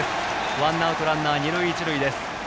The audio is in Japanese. ワンアウトランナー、二塁一塁。